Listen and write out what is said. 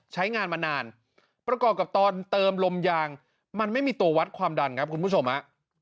ใช้งานมานานประกอบกับตอนเติมลมยางมันไม่มีตัววัดความดันครับคุณผู้ชมฮะ